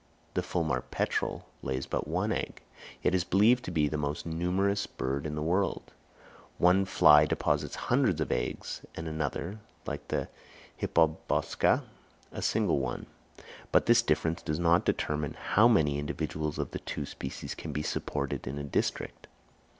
The Fulmar petrel lays but one egg, yet it is believed to be the most numerous bird in the world. One fly deposits hundreds of eggs, and another, like the hippobosca, a single one. But this difference does not determine how many individuals of the two species can be supported in a district.